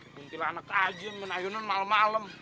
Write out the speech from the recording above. kuntilanak aja yang main kayunan malem malem